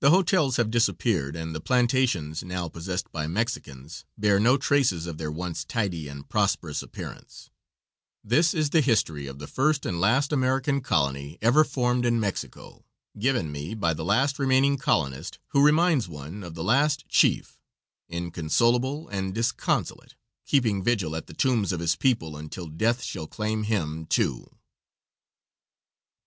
The hotels have disappeared, and the plantations, now possessed by Mexicans, bear no traces of their once tidy and prosperous appearance; this is the history of the first and last American colony ever formed in Mexico, given me by the last remaining colonist, who reminds one of the last chief, inconsolable and disconsolate, keeping vigil at the tombs of his people until death shall claim him too.